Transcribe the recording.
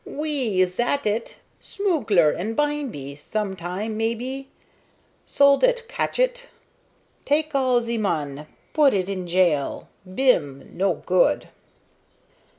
"Oui, zat it. Smoogler, an' bimeby, some time, maybe, soldat catch it. Take all ze mun, put it in jail. Bim! No good!"